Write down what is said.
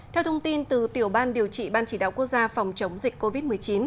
theo thông tin từ tiểu ban điều trị ban chỉ đạo quốc gia phòng chống dịch covid một mươi chín